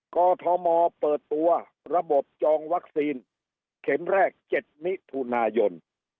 กอทมเปิดตัวระบบจองวัคซีนเข็มแรก๗มิถุนายน